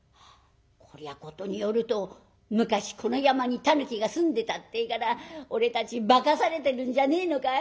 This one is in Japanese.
こりゃ事によると昔この山にたぬきが住んでたってえから俺たち化かされてるんじゃねえのかい？